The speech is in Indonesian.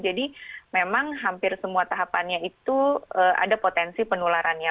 jadi memang hampir semua tahapannya itu ada potensi penularannya